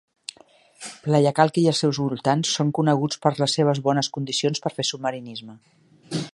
Playa Kalki i els seus voltants són coneguts per les seves bones condicions per fer submarinisme.